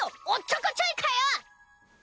おっちょこちょいかよ！